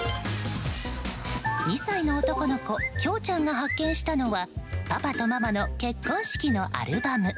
２歳の男の子きょーちゃんが発見したのはパパとママの結婚式のアルバム。